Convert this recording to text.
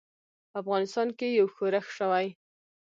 په افغانستان کې یو ښورښ شوی.